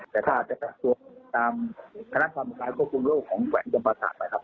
แต่ถ้าจะกัดตัวตามคณะความประสาทควบคุมโลกของแหวนจังหวัดศาสตร์นะครับ